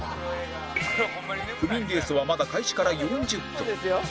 不眠レースはまだ開始から４０分